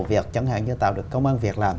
việc chẳng hạn như tạo được công an việc làm